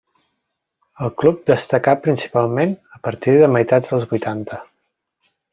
El club destacà principalment a partir de meitats dels vuitanta.